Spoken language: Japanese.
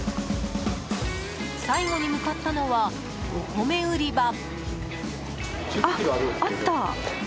最後に向かったのはお米売り場。